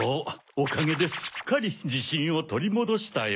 おかげですっかりじしんをとりもどしたよ。